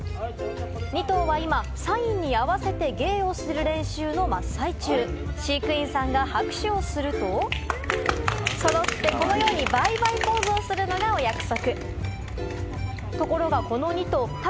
２頭は今、サインに合わせて芸をする練習の真っ最中、飼育員さんが拍手をすると、揃って、このようにバイバイポーズをするのがお約束。